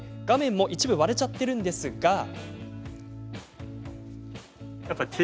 画面も一部割れちゃってるんですけど。